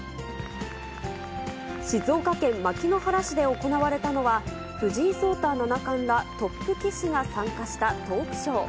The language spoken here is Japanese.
静岡県牧之原市で行われたのは、藤井聡太七冠らトップ棋士が参加したトークショー。